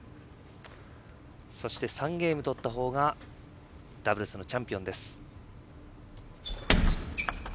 ３ゲーム取った方がダブルスのチャンピオンです。